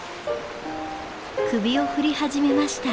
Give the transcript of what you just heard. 首を振り始めました。